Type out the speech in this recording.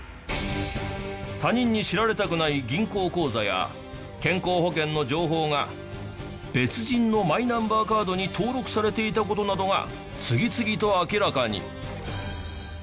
他人に知られたくない銀行口座や健康保険の情報が別人のマイナンバーカードに登録されていた事などが次々と明らかに。